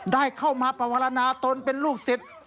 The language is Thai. ได้เข้ามาปวรณาตนเป็นลูกศิษย์